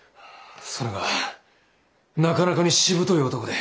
それがなかなかにしぶとい男で。